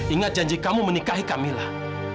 ingat janji kamu menikahi kamilah